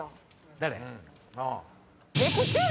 誰？